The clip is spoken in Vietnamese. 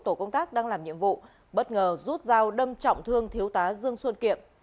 tổ công tác đang làm nhiệm vụ bất ngờ rút dao đâm trọng thương thiếu tá dương xuân kiệm